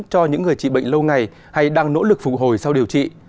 cho những người trị bệnh lâu ngày hay đang nỗ lực phục hồi sau điều trị